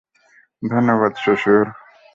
ধন্যবাদ, শ্বশুর।